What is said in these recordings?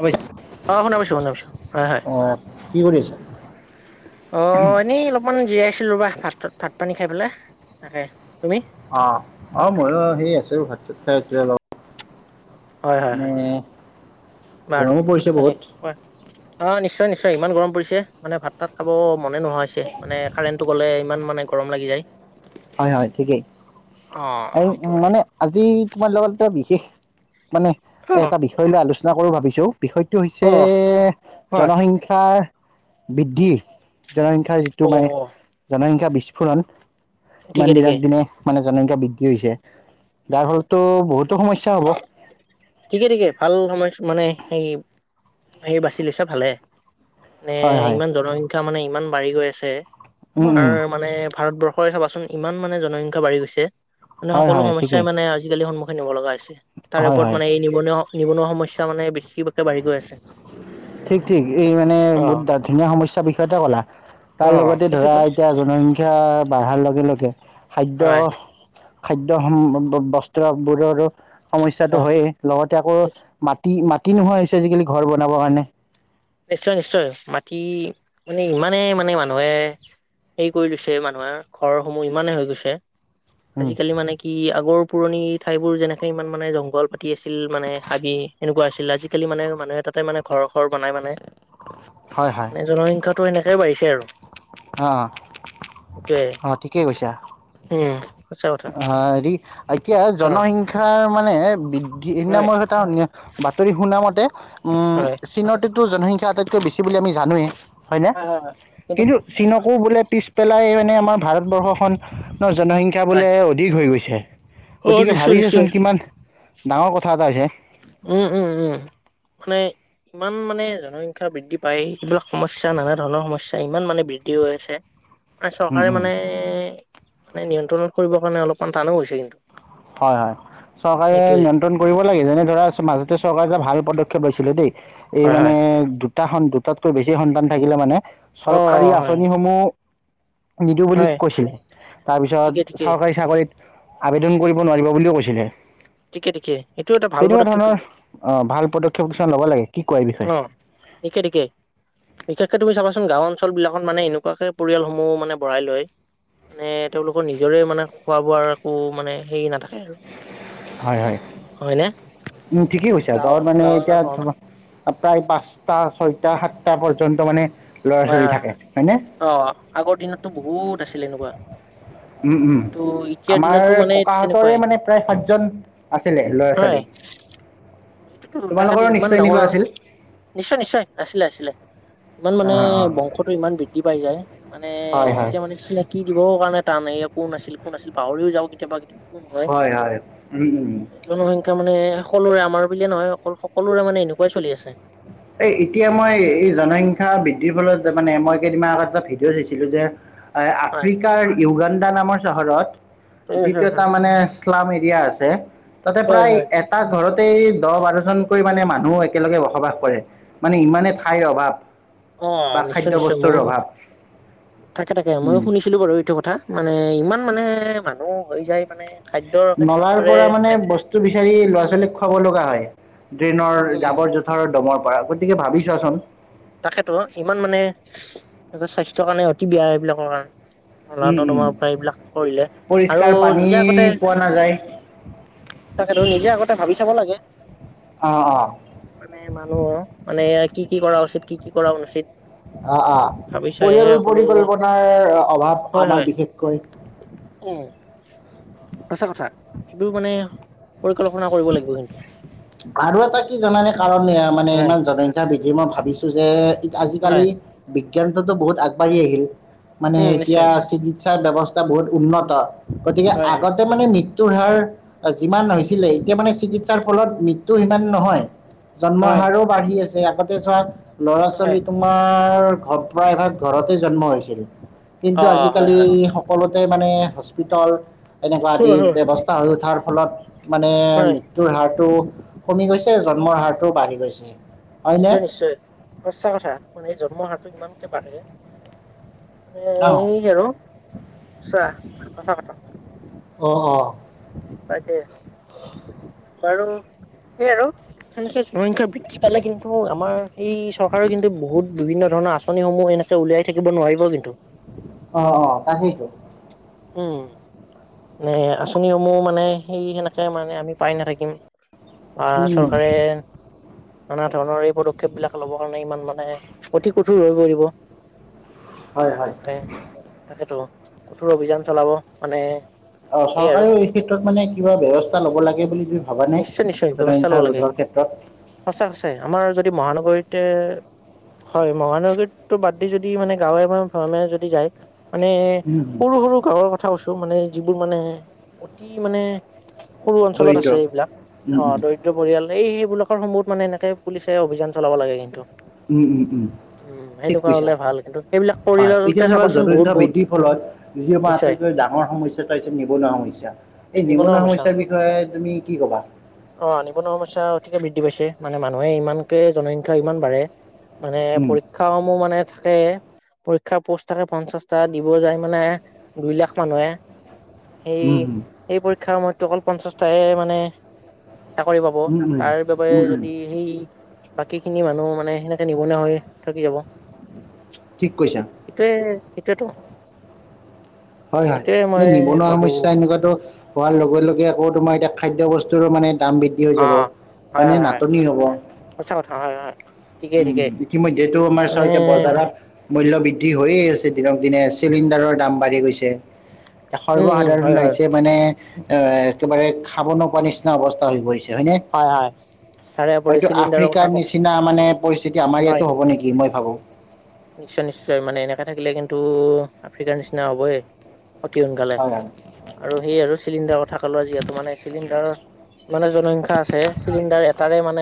অ', অ, শুনা পাইছো - শুনা পাইছো হয় - হয়। কি কৰি আছা? অ, এনেই অলপমান জীয়াইছিলো ৰ বা ভাতত ভাত পানী খাই পেলাই তাকে তুমি অহ - অহ, মইো সেই আছো ভাত চাত খাইতি অলপ। অ [inaudible] নে বাৰু তাকে অ - অ নিশ্চয় - নিশ্চয় ইমান গৰম পৰিছে মানে ভাত তাত খাব। মনে নোহোৱা হৈছে মানে কাৰেণ্টটো গ'লে ইমান মানে গৰম লাগি যায়। হয় - হয় ঠিকেই অ আৰু এইটো উম, কাৰণে মানে আজি তোমাৰ লগত এটা বিশেষ মানে অ এটা বিষয় লৈ আলোচনা কৰো ভাবিছো। বিষয়টো হৈছে অ হয় জনসংখ্যাৰ বৃদ্ধি। জনসংখ্যাৰ যিটো অ মানে জনসংখ্যা বিস্ফোৰণ মান ঠিকে ঠিকে দিনক দিনে মানে জনসংখ্যা বৃদ্ধি হৈছে। যাৰ ফলতো বহুতো সমস্যা হ'ব। ঠিকে ঠিকে ভাল সময় মানে সেই সে বাচি লৈছা ভালে নে হয়, হয়, ইমান জনস শিক্ষা মানে ইমান বাঢ়ি গৈ আছে উম, আমাৰ উম, মানে ভাৰতবৰ্ষৰে চাবাচোন ইমান মানে জনসংখ্যাঢ়ি গৈছে মানে হয়, সকলো হয়, সমস্যাই ঠিকেই মানে আজিকালি সন্মুখ ব লগা হৈছে তাৰ হয়, ওপৰত হয়। মানে এই নিবনুৱা নিবনা সমস্যা মানে বেছি। ঠিক - ঠিক এই মানে বহুত অ', ধুনীয়া সমস্যাৰ বিষয়তে ক'লা। তাৰ অ', লগতে ধৰা সেইটোতো এতিয়া জনসংখ্যা বাঢ়াৰ লগে- লগে খাদ্য হয় খাদ্যয় বস্ত্ৰ বোৰৰো সমস্য়াটো অ'। হয়েই লগতে আকৌ মাটি মাটি নোহোৱা হৈছে আজিকালি ঘৰ বনাবৰ কাৰণে। নিশ্চয় - নিশ্চয় মাটি মানে ইমানেই মানে মানুহে হেৰি কৰি লৈছে মানুহে ঘৰসমূহ ইমানে হৈ গৈছে উম আজিকালি মানে কি আগৰ পুৰণি ঠাইবোৰ যেনেকে ইমান মানে জংঘল পাতি আছিল মানে হাবি এনেকুৱা আছিল আজিকালি মানে মানুহ এ তাতে মানে ঘৰ ঘৰ বনাই মানে হয় হয় মানে জনসংখ্যাটো এনেকেই বাঢ়িছে আৰু অঁ অঁ সেইটোয়ে। অঁ ঠিকেই কৈছা অ উম, সঁচা কথা হেৰি এতিয়া অ', জনসংখ্যা মানে বি হয়, হয়। নামৰটা বাতৰি সুনামতে উম হয়, চীনত জনসংখ্যা আটাইতকৈ বেছি বুলি আমি জানোৱেই হয়নে? হয় হয় হয়। কিন্ত, কিন্তু চীনকো বোলে পিছ পেলাই মানে আমাৰ ভাৰতবৰ্ষখনৰ জনসংখ্যা হয়, বোলে অধিক হৈ গৈছে। অ', গতিকে নিশ্চয়, ভাবিছা চোন নিশ্চয়, কিমান ডাঙৰ কথা এটা হৈছে। উম, উম, উম, মানে ইমান মানে জনসংখ্যা বৃদ্ধি পায়, এইবিলাক সমস্যা নানা ধৰণৰ সমস্যা ইমান মানে বৃদ্ধি হৈ আছে। মানে উম চৰকাৰে উম মানে, মানে নিয়ন্ত্ৰণত কৰিবৰ কাৰণে অলপমান টানো হৈছে কিন্তু। হয় হয়। চৰকাৰে সেইটোয়ে নিয়ন্ত্ৰণ কৰিব লাগে, যেনে ধৰা মাজতে চৰকাৰে এটা ভাল পদক্ষেপ লৈছিলে দেই। এই হয়, মানে হয়, দু দুটা সন দুটাতকৈ বেছি সন্তান থাকিলে মানে অ', চৰকাৰী হয়, আঁচনিসমূহ নিদো বুলি হয়, কৈছিলে। ঠিকে, তাৰপিছত ঠিকে, চৰকাৰী চাকৰিত আবেদন কৰি বা নোৱাৰিব বুলিও কৈছিলে। ঠিকে, ঠিকে এইটো এটা ভাল তেনেকুৱা পদক্ষেপ ধৰণৰ কিন্তু অ ভাল পদক্ষেপ কিছুমান ল'ব লাগে। কি কয় এই বিষয়ে অ ঠিকে ঠিকেই। বিশেষকে তুমি চাবা চোন গাও অঞ্চল বিলাকত মানে এনেকুৱাকে পৰিয়ালসমূহ মানে বঢ়াই লয়, মানে তেওঁলোকৰ নিজৰে মানে খোৱা বোৱাৰ একো মানে হেৰি নাথাকে আৰু। হয় হয়। হয়নে? উম ঠিকেই কৈছা, গাঁও গাঁৱত মানে গাঁৱে বা এতিয়া ভ্ৰমণ তো প্ৰায় পাঁচটা, ছয়টা, সাতটা পৰ্যন্ত মানে, ল'ৰা হয় ছোৱালী হয় থাকে হয়। হয়নে অ আগৰ দিনতো বহুত আছিল এনেকুৱা। [inaudible] উম উম। ত' এতিয়াৰ আমাৰ দিনতো মানে ককাহঁতৰে তেনেকুৱাই মানে প্ৰায় সাতজন আছিলে ল'ৰা হয় ছোৱালী। [inaudible] সেইটোতো তাকেতো তোমালোকৰো ইমান নিশ্চয় ডাঙৰ, এনেকুৱা আছিল নিশ্চয় নিশ্চয়, আছিলে আছিলে, ইমান মান মানে অঁ অঁ বংশতটো ইমান বৃদ্ধি পাই যায়, মানে হয় হয় তেতিয়া মানে চিনাকি দিবৰ কাৰণে টান এ কোন আাছিল, কোন আছিল, পাহৰিও যাওঁ কেতিয়াবা কেতিয়াবা। নহয় হয় হয় উম উম জনসংখ্যা মানে সকলোৰে আমাৰ বুলিয়ে নহয় সকল সকলোৰে মানে এনেকুৱাই চলি আছে। এই এতিয়া মই এই জনসংখ্যা বৃদ্ধিৰ ফলত মানে মই কেইদিন এটা ভিডিঅ' চাইছিলো যে হয় হয় আফ্ৰিকাৰ ইউগান্দা নামৰ চহৰত হয় যিটো হয় এটা মানে শ্লাম এৰি ৰিয়া আছে তাতে হয় প্ৰায় হয় এটা ঘৰত এই দহ -বাৰজনকৈ মানে মানুহ একেলগে বসবাস কৰে। মানে ইমানে ঠাইৰ অভাৱ অহ, বা খাদ্য নিশ্চয়-নিশ্চয় বস্তুৰ মইও অভাৱ তাকে-তাকে মই উম, শুনিছিলো বাৰু এইটো কথা মানে ইমান মানে মানুহ হৈ যায় মানে খাদ্যৰ কিন্তু নলাৰ একেবাৰে পৰা মানে নাইকিয়া বস্তু বিচাৰি ল'ৰা-ছোৱালীক খুৱাব লগা হয়। ড্ৰেইনৰ উম জাবৰ -জোথৰৰ দমৰ পৰা গতিকে ভাবি চোৱাচোন তাকেতো ইমান মানে ইহঁতৰ স্বাস্থ্য কাৰণে অতি বেয়া সেইবিলাকৰ কাৰণ উম [unintelligible] উম তোমাৰ পৰা এইবিলাক কৰিলে আৰু পৰিষ্কাৰ পানী নিজে আগতে পোৱা নাযায় তাকেতো নিজে আগতে ভাবি চাব লাগে। অ অ মানে মানুহ মানে এয়া কি-কি কৰা উচিত কি- কি কৰা অনুচিত অ', অ', ভাবি চাইহে পৰিয়াল সকলো পৰিকল্পনাৰ অভাৱ হয় আমাক হয় বিশেষকৈ উম, সঁচা কথা এইবোৰ মানে পৰিকল্পনা কৰিব লাগিব কিন্তু আৰু এটা কি জানানে কাৰণ মানে হয় ইমান জনসংখ্যা বি এ মই ভাবিছো যে হয় আজিকালি বিজ্ঞানটোতো বহুত আগবাঢ়ি আহিল- মানে উম নিশ্চয় এতিয়া নিশ্চয় চিকিৎসা ব্যৱস্থা বহুত উন্নত গতিকে হয় হয় আগতে মানে মৃত মৃত্যুৰ হাৰ যিমান হৈছিলে এতিয়া মানে চিকিৎসাৰ ফলত মৃত্যু সিমান নহয়। জন্মৰ হয় হাৰও বাঢ়ি আছে আগতে ধৰ ল'ৰা- হয় ছোৱালী তোমাৰ প্ৰায় ভাগ ঘৰতে জন্ম হৈছিল কিন্তু অ হয় আজিকালি হয় সকলো মানে হস্পিতাল এনেকুৱা আদি হয় হয় ব্যৱস্থা হৈ উঠাৰ ফলত মানে হয় মৃত্যুৰ হাৰটো কমি গৈছে। জন্মৰ হাৰটো বাঢ়ি গৈছে। হয়নে নিশ্চয়, নিশ্চয় সঁচা কথা মানে জন্ম হাৰটো ইমানকে বাঢ়ে মানে অঁ এই আৰু আছা সঁচা কথা। অঁ অঁ তাকে বাৰু সেই আৰু। জনসংখ্যা বৃদ্ধি পালে কিন্তু আমাৰ সেই চৰকাৰে কিন্তু বহুত বিভিন্ন ধৰণৰ আঁচনি আঁচনিসমূহ এনেকে উলিয়াই থাকিব নোৱাৰিব কিন্তু। অ' অ' তাকেইতো। উম নে আঁচনিসমূহ মানে সেই সেনেকে মানে আমি পাই নাথাকিম। বা উম, চৰকাৰে নানা ধৰণৰ এই পদক্ষেপ বিলাক ল'ব কাৰণে ইমান। মানে অতি কঠোৰ হৈ পৰিব। হয়, হয়। তোৰ অভিযান চলাব মানে অ' চৰকাৰেও এই ক্ষেত্ৰত মানে কিবা ব্যৱস্থা ল'ব লাগে বুলি ভাবানে নিশ্চয়, নিশ্চয় ব্যৱস্থা জনসংখ্যা লব লাগে ৰোধৰ ক্ষেত্ৰত সঁচা, সঁচাই আমাৰ যদি মহান মহানগৰীতে হয়, মহানগৰীতো বাদ দি যদি মানে গাঁৱে বা ভৈয়ামে যদি যায়। মানে উম, উম, সৰু সৰু গাঁৱৰ কথা কৈছো মানে যিবোৰ মানে অতি মানে সৰু অঞ্চলত দৰিদ্ৰ আছে এইবিলাক উম, অ' উম, দৰিদ্ৰ পৰিয়াল। এই সেইবিলাকৰ সময়হত মানে এনেকে পুলিচে অভিযান চলাব লাগে কিন্তু উম- উম- উম। উম ঠিক সেনেকুৱা কৈছা হলে ভাল কিন্তু সেইবিলাক হয়, কৰিলতে এতিয়া চাবা চাবাচোন বহুত জনসংখ্যা বহুত বৃদ্ধিৰ ফলত যি আমাৰ নিশ্চয় আটাইতকৈ ডাঙৰ সমস্যা এটা হৈছে নিবনুৱা সমস্যা। এই নিবনুৱা সমস্যাৰ বিষয়ে তুমি কি ক'বা অ' নিবনুৱা সমস্যা অতিকে বৃদ্ধি পাইছে, মানে মানুহে ইমানকে জনসংখ্যা ইমান বাঢে মানে উম পৰীক্ষা সমূহ মানে থাকে, পৰীক্ষাৰ পোষ্ট থাকে পঞ্চাশটা দিব যায় মানে দুই লাখ মানুহে সেই উম উম এই পৰীক্ষাৰ সময়তটো অকল পঞ্চাশ টাইহে মানে চাকৰি পাব, উম উম তাৰ বাবে উম উম যদি হেই ই বাকী খিনি মানুহ মানে সেনেকে নিবনুৱা হৈ থাকি যাব। ঠিক কৈছা সেইটোৱে সেইটোৱেতো, হয় হয় সেইটোৱে এই মই নিবনুৱা ভাবো সমস্যা এনেকুৱাতো হোৱাৰ লগে লগে আকৌ তোমাৰ এতিয়া খাদ্য বস্তু বস্তুৰো মানে দাম বৃদ্ধি হৈ অ যাব, হয় হয়নে হয় হয় নাটনি হ'ব। সঁচা কথা হয় হয় ঠিকেই উম, ঠিকেই ইতিমধ্যয়েতো আমাৰ চা মানে এতিয়া বজাৰত মূল্য বৃদ বৃদ্ধি হৈয়ে আছে দিনক দিনে চিলিণ্ডাৰৰ দাম বাঢ়ি গৈছে। উম উম সৰ্বসাধাৰণ হয় হয় ৰাইজে মানে এ, একেবাৰে খাব নোপোৱা নিচিনা অৱস্থা হৈ পৰিছে। হয়নে? হয় হয় তাৰে উপৰি হয়টো চিলিণ্ডাৰৰ আফ্ৰিকাৰ কথা ক নিচিনা মানে পৰিস্থিতি আমাৰ হয় ইয়াতো হব নেকি মই ভাবো। নিশ্চয় নিশ্চয় মানে এনেকা থাকিলে কিন্তু আফ্ৰিকাৰ নিচিনা হবয়ে। অতি সোনকালে, হয় হয়। আৰু হেইয়া আৰু চিলিণ্ডাৰৰ কথা ক'লো যিহেতু মানে চিলিণ্ডাৰ মানে জন আছে চিলিণ্ডাৰ এটাৰে মানে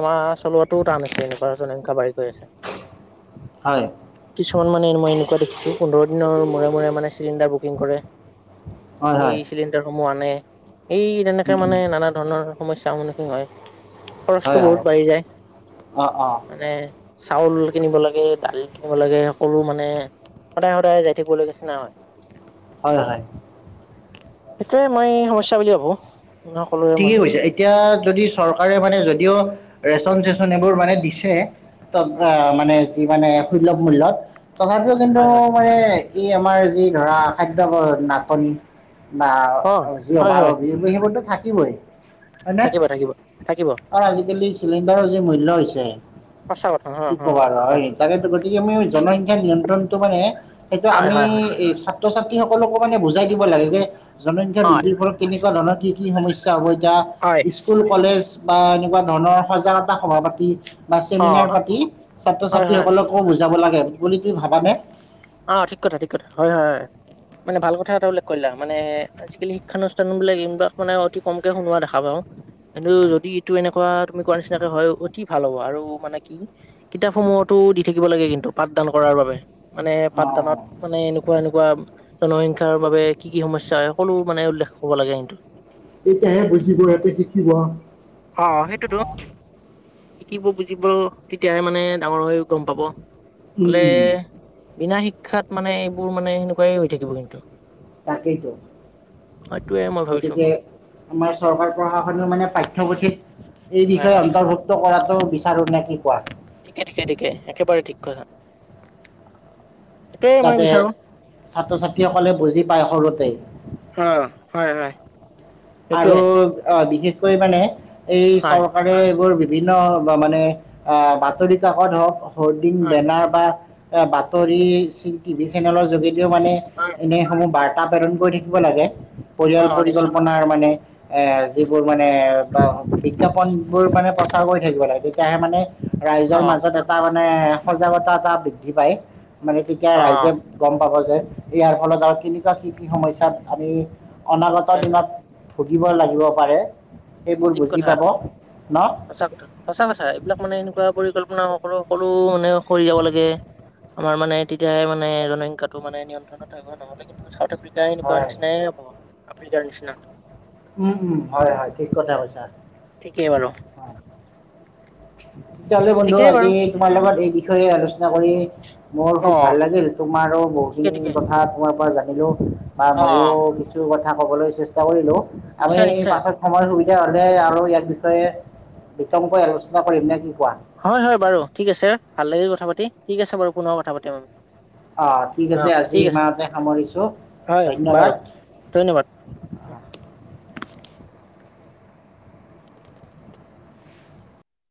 এমাহ চলোৱাটোও টান আছে এনেকুৱা জনসংখ্যা বাঢ়ি গৈ আছে। হয়। কিছুমান মানে মই এনেকুৱা দেখিছো পোন্ধৰ দিনৰ মূৰে মূৰে মানে চিলিণ্ডাৰ বুকিং কৰে। হয় হয় এই চিলিণ্ডাৰসমূহ আনে। এই, তেনেকে উম উম মানে নানা ধৰণৰ সমস্যাৰ সন্মুখীন হয়। হয় খৰচটো হয় বহুত বাঢ়ি যায়। অ অ মানে চাউল কিনিব লাগে, দালি কিনিব লাগে, সকলো মানে সদায় সদায় যাই থাকিবলৈ নিচিনা হয়। হয় হয়। সেইটোৱেই মই সমস্যা বুলি ভাবো। ন কলোৱে ঠিকেই মইও। কৈছে এতিয়া যদি চৰকাৰে মানে যদিও ৰেচন চেচন এইবোৰ মানে দিছে কি, তত হয় আ, মানে যি মানে সুলভ মূল্যত তথাপিও কিন্তু হয় হয় মানে এই আমাৰ যি ধৰা খাদ্য বৰ নাটনি। বা, অ যি হয় অভাৱ হয় অভিযোগ সেইবোৰতো থাকিবই। হয়নে, থাকিব থাকিব থাকিব অ, আজিকালি চিলিণ্ডাৰৰ যি মূল্য হৈছে। সঁচা কথ। কি ক'বা আৰু হয় তাকেইতো গতিকে আমি জনসংখ্যা নিয়ন্ত্ৰণটো মানে সেইটো হয় আমি হয় এ, ছাত্ৰচাত সকলকো মানে বুজাই দিব লাগে যে জনসংখ্যা হয় হয় বৃদ্ধিৰ ফলত কেনেকুৱা ধৰণৰ কি কি সমস্যা হ'ব। তা, হয় স্কুল কলেজ বা এনেকুৱা ধৰণৰ সজাগতা সভা পাতি বা অ চেমিনাৰ পাতি ছাত্ৰ হয় হয় ছাত্ৰীসকলকো বুজাব লাগে বুলি তুম ভাবানে? অ, ঠিক কথা। ঠিক কথা। হয় হয়। মানে ভাল কথা এটা উল্লেখ কৰিলা মানে আজিকালি শিক্ষানুষ্ঠানো বিলাক এইবিলাক মানে অতি কমকে শুনোৱা দেখা পাওঁ। কিন্তু যদি এইটো এনেকুৱা তুমি কোৱা নিচিনাকে হয় অতি ভাল হ'ব আৰু মানে কি-কিতাপ সমূহতো পো দি থাকিব লাগে কিন্তু পাঠদান কৰাৰ বাবে মানে পাঠদানত অ', মানে এনো কোৱা এনেকুৱা জনসংখ্যাৰ বাবে কি কি সমস্যা হয় সকলো মানে উল্লেখ কৰিব লাগে সিহঁতৰ। এতিয়াহে বুজিব হিহঁতে কিকি ব্ অ সেইটোতো শিকিব বুজিব তেতিয়াহে মানে ডাঙৰ হৈ গম পাব। হলে উম, বিনা শিক্ষাত মানে এইবোৰ মানে সেনেকুৱাই হৈ থাকিব কিন্তু। তাকেইতো। সেইটোয়ে মই ভাবিছো। গতিকে আমাৰ চৰকাৰ প্ৰশাসনেও মানে পাঠ্যপুথিত এই হয় বিষয়ে হয়। অন্তৰ্ভুক্ত কৰাটো বিচাৰো নে কি কোৱা? ঠিকে ঠিকে ঠিকে একেবাৰে ঠিক কথা। সেইটোৱে যাতে মই বিচাৰো। ছাত্ৰ ছাত্ৰীসকলে বুজি পায় সৰুতেই। অ হয় হয় আৰু এইটোয়ে অ, বিশেষকৈ মানে এই হয়। চৰকাৰে এইবোৰ বি ভিন্ন বা মানে আহ, বাতৰি কাকত হওক হৰ্ডিং হয় বেনাৰ বা এ বাতৰি টিভি চেনেলৰ যোগেদিও মানে হয় এনেসমূহ বাৰ্ত প্ৰৰণ কৰি থাকিব লাগে অ পৰিয়াল নিশ্চয় পৰিকল্পাৰ মানে এ যিবোৰ মানে বিজ্ঞাপন বোৰ মানে প্ৰচাৰ কৰি থাকিব লাগে তেতিয়াহে মানে অ ৰাইজৰ মাজত এটা মানে সজাগতা এটা বৃদ্ধি পাই মানে তেতিয়া অ ৰাইজে গম পাব যে ইয়াৰ ফলত আৰু কেনেকুৱা কি কি সমস্যাত আমি অনাগত হয় হয় দিনত ভুগিব লাগিব পাৰে। সেইবোৰ ঠিক বুজি কথা পাব ন সঁচা কথা সঁচা কথা এইবিলাক মানে এনেকুৱা পৰিকল্পনা হওক সকল সকলো মানে সৰি যাব লাগে। আমাৰ মানে তেতিয়ে মানে জনসংখ্যাটো মানে নিয়ন্ত্ৰণত থাক নহ'লে কিন্তু চাও আফ্ৰিকা এনেকুৱা হয় নিচিনাইে হ'ব আফ্ৰিকাৰ নিচিনা। উম উম হয় হয় ঠিক কথা কৈছা। ঠিকেই বাৰু। তেতিয়াহলে বন্ধু ঠিকেই আজি বাৰু তোমাৰ লগত এই বিষয়ে আলোচনা না কৰি মোৰ অ খুব ভাল লাগিল তোমাৰো ঠিকে বহুখিনি ঠিকে কথা তোমাৰ পৰা জানিলো বা অ। ময়ো কিছু কথা কবলৈ চেষ্টা কৰিলো আমি নিশ্চয় নিশ্চয় পাছত সময় সুবিধা হলে আৰু ইয়াৰ বিষয়ে বিতংকৈ আলোচনা কৰিম নে কি? কোৱা হয় হয় বাৰু ঠিক আছে ভাল লাগিল কথা পাতি ঠিক আছে বাৰু পুনৰব কথা পাতিম আমি। অ ঠিক অ, আছে আজি ঠিক আছে ইমানতে সামৰিছোঁ হয় বাৰু ধন্যবাদ ধন্যবাদ। হয়।